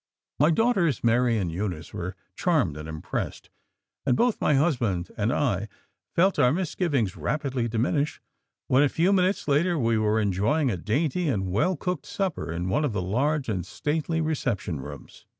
My daughters Mary and Eunice were charmed and impressed, and both my husband and I felt our misgivings rapidly diminish when a few minutes later we were enjoying a dainty and well cooked supper in one of the large and stately reception rooms.